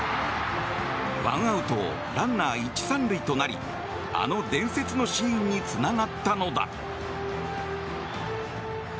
ワンアウトランナー１、３塁となりあの伝説のシーンにつながったのだ。